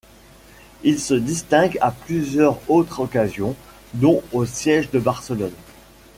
Il se distingue à plusieurs autres occasions, dont au siège de Barcelone.